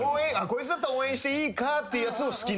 こいつだったら応援していいかってやつを好きになる。